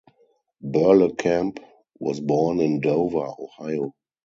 Berlekamp was born in Dover, Ohio.